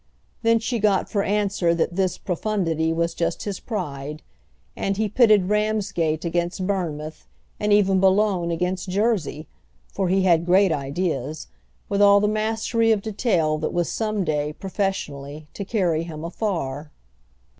Then she got for answer that this profundity was just his pride, and he pitted Ramsgate against Bournemouth and even Boulogne against Jersey—for he had great ideas—with all the mastery of detail that was some day, professionally, to carry him afar.